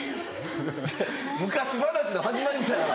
昔話の始まりみたいな。